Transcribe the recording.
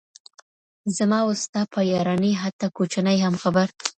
زما او ستا په يارانې حتا كوچنى هـم خـبـر.